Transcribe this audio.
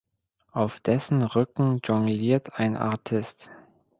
Auf dessen Rücken jongliert ein Artist.